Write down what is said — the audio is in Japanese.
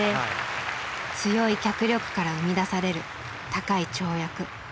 強い脚力から生み出される高い跳躍。